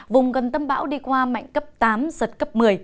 vùng gần tâm bão đi qua mạnh cấp tám giật cấp một mươi